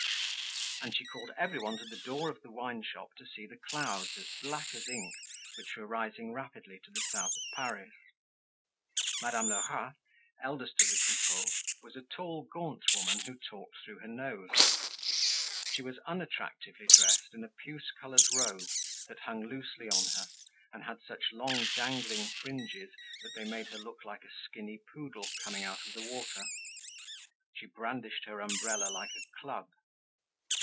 And she called everyone to the door of the wineshop to see the clouds as black as ink which were rising rapidly to the south of Paris. Madame Lerat, eldest of the Coupeaus, was a tall, gaunt woman who talked through her nose. She was unattractively dressed in a puce colored robe that hung loosely on her and had such long dangling fringes that they made her look like a skinny poodle coming out of the water. She brandished her umbrella like a club.